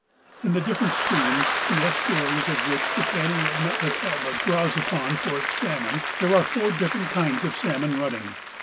In the different streams, the estuaries of which the cannery at Metlakahtla draws upon for its salmon, there are four different kinds of salmon running.